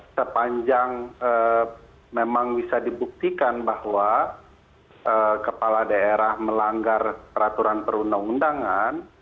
sepanjang memang bisa dibuktikan bahwa kepala daerah melanggar peraturan perundang undangan